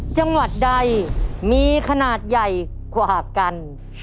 จังหวัดใดมีขนาดใหญ่กว่ากัน